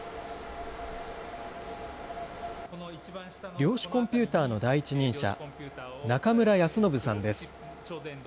量子コンピューターの第一人者、中村泰信さんです。